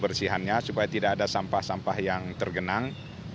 bersihannya supaya tidak ada sampah sampah yang tergenang